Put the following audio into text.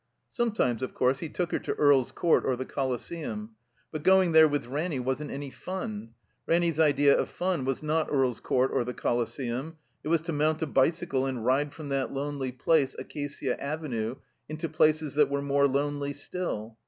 Sometimes, of course, he took her to Earl's Court or the Coliseum; but going there with Ranny wasn't any ftm. Ranny's idea of fun was not Earl's Court or the Colisetmi; it was to mount a bicycle and ride from that lonely place. Acacia Avenue, into places that were more lonely still.